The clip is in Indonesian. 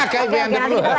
kib yang diperluas